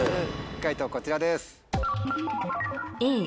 解答こちらです。